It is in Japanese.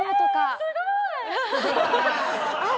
すごーい。